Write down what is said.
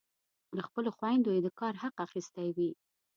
له خپلو خویندو یې د کار حق اخیستی وي.